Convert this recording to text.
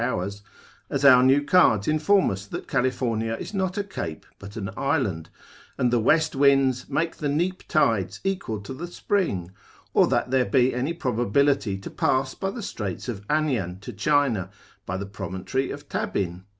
hours, as our new cards inform us that California is not a cape, but an island, and the west winds make the neap tides equal to the spring, or that there be any probability to pass by the straits of Anian to China, by the promontory of Tabin.